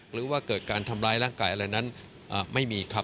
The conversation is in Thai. หรือว่าเกิดการทำร้ายร่างกายอะไรนั้นไม่มีครับ